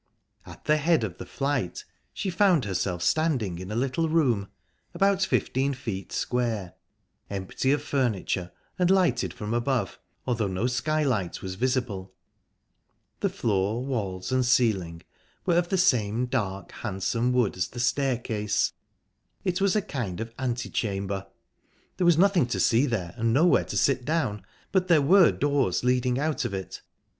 At the head of the flight she found herself standing in a little room, about fifteen feet square, empty of furniture, and lighted from above, although no skylight was visible. The floor, walls, and ceiling were of the same dark, handsome wood as the staircase. It was a kind of ante chamber. There was nothing to see there, and nowhere to sit down, but there were doors leading out of it.